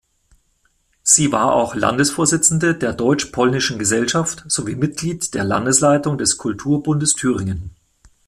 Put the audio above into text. Sie war auch Landesvorsitzende der deutsch-polnischen Gesellschaft sowie Mitglied der Landesleitung des Kulturbundes Thüringen.